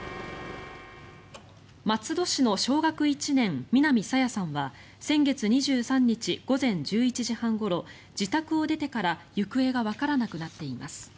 松戸市の小学１年南朝芽さんは先月２３日午前１１時半ごろ自宅を出てから行方がわからなくなっています。